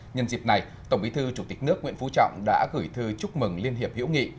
nhân dịp này tổng bí thư chủ tịch nước nguyễn phú trọng đã gửi thư chúc mừng liên hiệp hiểu nghị